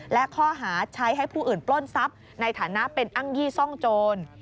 และข้อหาใช้ให้ผู้อื่นปล้นทรัพย์ในฐานะเป็นอ้างยี่ซ่องโจร